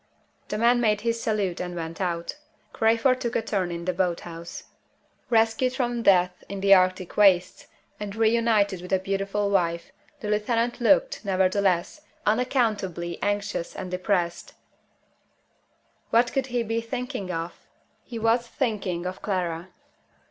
The man made his salute and went out. Crayford took a turn in the boat house. Rescued from death in the Arctic wastes, and reunited to a beautiful wife, the lieutenant looked, nevertheless, unaccountably anxious and depressed. What could he be thinking of? He was thinking of Clara.